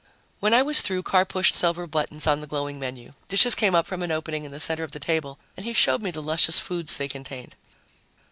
When I was through, Carr pushed several buttons on the glowing menu. Dishes came up from an opening in the center of the table and he showed me the luscious foods they contained.